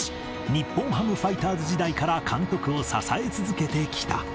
日本ハムファイターズ時代から監督を支え続けてきた。